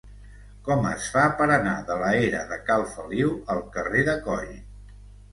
Com es fa per anar de la era de Cal Feliu al carrer de Coll?